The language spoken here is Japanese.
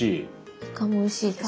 イカもおいしいですね。